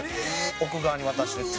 「奥川に渡して」って。